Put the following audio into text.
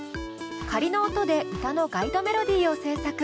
仮の音で歌のガイドメロディーを制作。